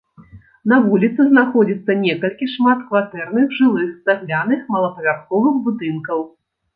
На вуліцы знаходзіцца некалькі шматкватэрных жылых цагляных малапавярховых будынкаў.